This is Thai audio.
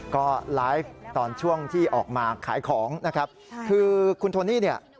ก็ไลฟ์ตอนช่วงที่ออกมาขายของนะครับคือคุณโทนี่เนี่ย